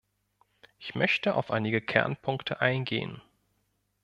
Ich möchte auf einige Kernpunkte eingehen.